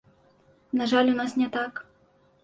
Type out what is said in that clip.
На жаль, у нас не так.